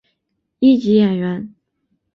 一级演员。